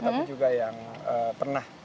tapi juga yang pernah